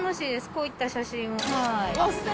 こういった写真を。